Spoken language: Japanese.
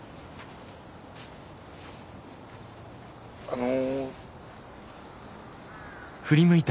あの。